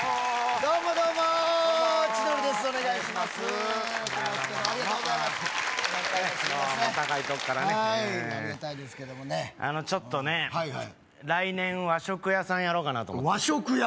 どうも高いとこからねありがたいですけどもねあのちょっとね来年和食屋さんやろうかなと思って和食屋？